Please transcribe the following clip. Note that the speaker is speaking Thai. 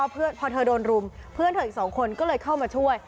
พอเธอโดนรุมเพื่อนเธออีก๒คนก็เลยเข้ามาช่วย